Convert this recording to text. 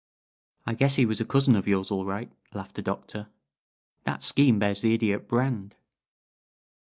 "I guess he was a cousin of yours, all right," laughed the Doctor; "that scheme bears the Idiot brand."